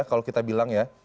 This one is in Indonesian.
kalau kita bilang ya